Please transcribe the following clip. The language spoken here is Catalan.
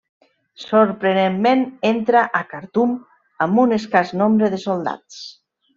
Sorprenentment entra a Khartum amb un escàs nombre de soldats.